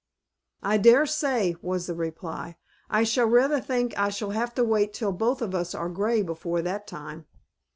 "I dare say," was the reply. "I rather think I shall have to wait till both of us are gray before that time."